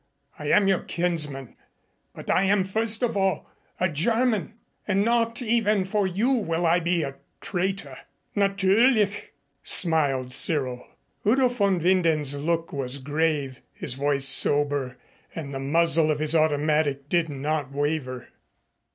"I am your kinsman but I am first of all a German. And not even for you will I be a traitor." "Natürlich!" smiled Cyril. Udo von Winden's look was grave, his voice sober, and the muzzle of his automatic did not waver.